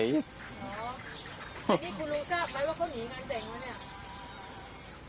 ทีนี้คุณลุงทราบไหมว่าเขาหนีงานแต่งไหมเนี่ย